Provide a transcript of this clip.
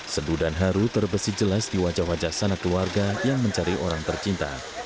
seduh dan haru terbesi jelas di wajah wajah sanak keluarga yang mencari orang tercinta